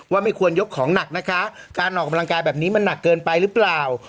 ไม่ควรยกของหนักนะคะการออกกำลังกายแบบนี้มันหนักเกินไปหรือเปล่า